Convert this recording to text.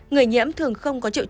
người nhiễm thường không có chứng minh